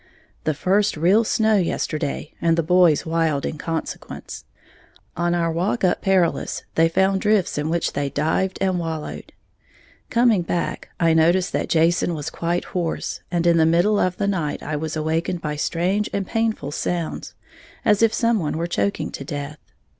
_ The first real snow yesterday, and the boys wild in consequence. On our walk up Perilous, they found drifts in which they dived and wallowed. Coming back I noticed that Jason was quite hoarse; and in the middle of the night I was awakened by strange and painful sounds, as if someone were choking to death.